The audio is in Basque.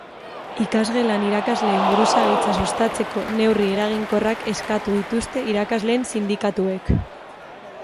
Ikasgelan irakasleen buruzagitza sustatzeko neurri eraginkorrak eskatu dituzte irakasleen sindikatuek.